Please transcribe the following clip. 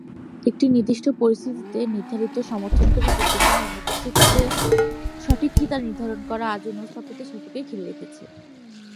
একটি নির্দিষ্ট পরিস্থিতিতে নির্ধারিত সমর্থনকারী বিশ্লেষণের অনুপস্থিতিতে 'সঠিক' কী তা নির্ধারণ করা আজও নৌ স্থাপত্যের শিল্পকে ঘিরে রেখেছে।